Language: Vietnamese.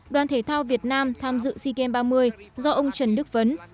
đoàn thể thao việt nam tham dự sea games ba mươi do ông trần đức vấn